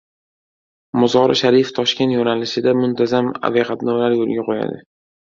Mozori Sharif – Toshkent yo‘nalishida muntazam aviaqatnovlar yo‘lga qo‘yiladi